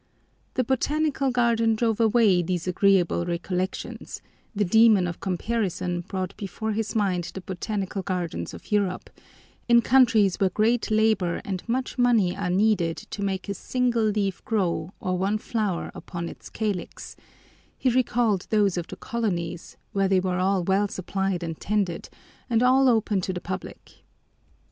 The Botanical Garden drove away these agreeable recollections; the demon of comparison brought before his mind the Botanical Gardens of Europe, in countries where great, labor and much money are needed to make a single leaf grow or one flower open its calyx; he recalled those of the colonies, where they are well supplied and tended, and all open to the public.